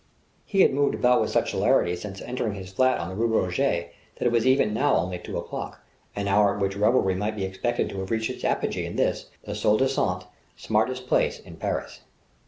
He had moved about with such celerity since entering his flat on the rue Roget that it was even now only two o'clock; an hour at which revelry might be expected to have reached its apogee in this, the soi disant "smartest" place in Paris.